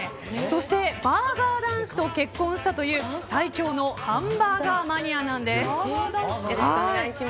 そして、バーガー男子と結婚したという最強のハンバーガーマニアなんです。